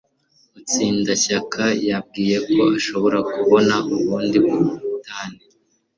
Mutsindashyaka yambwiye ko ashobora kubona ubundi butane.